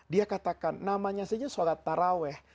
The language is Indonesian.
dia katakan namanya saja sholat taraweh